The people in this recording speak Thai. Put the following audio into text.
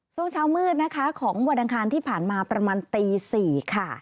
ช่วงเช้ามืดนะคะของวันอังคารที่ผ่านมาประมาณตี๔ค่ะ